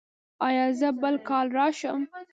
ایا زه بل کال راشم؟